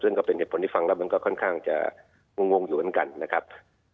ซึ่งก็เป็นเหตุผลที่ฟังแล้วมันก็ค่อนข้างจะงงอยู่เหมือนกันนะครับ